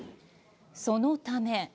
そのため。